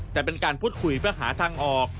แต่เป็นการพูดคุยเพื่อหาทางออก